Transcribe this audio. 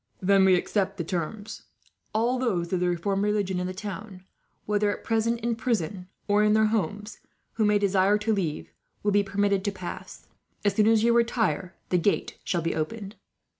"Then we accept the terms. All those of the reformed religion in the town, whether at present in prison or in their homes, who may desire to leave, will be permitted to pass. As soon as you retire, the gate shall be opened."